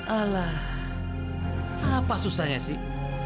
alah apa susahnya sih